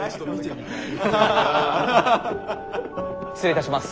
失礼いたします。